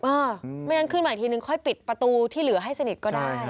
อ้าวไม่งั้นคืนใหม่ทีหนึ่งค่อยปิดประตูที่เหลือให้สนิทก็ได้